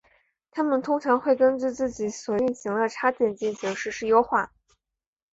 它们通常会根据自己所运行的插件进行实时优化。